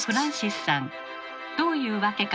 どういうわけか